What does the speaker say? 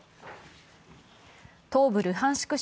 東部ルハンシク